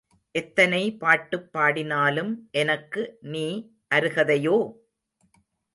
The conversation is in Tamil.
எத்தனை பாட்டுப் பாடினாலும் எனக்கு நீ அருகதையோ?